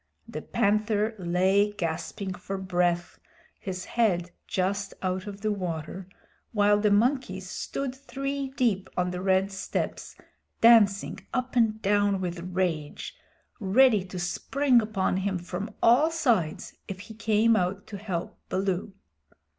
The Panther lay gasping for breath, his head just out of the water, while the monkeys stood three deep on the red steps, dancing up and down with rage, ready to spring upon him from all sides if he came out to help Baloo.